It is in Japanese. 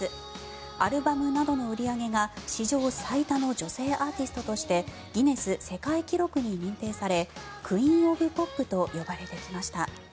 アルバムなどの売り上げが史上最多の女性アーティストとしてギネス世界記録に認定されクイーン・オブ・ポップと呼ばれてきました。